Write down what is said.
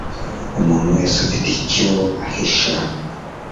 Umuntu wese afite icyo ahisha